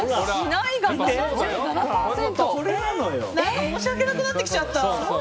なんか申し訳なくなってきちゃった。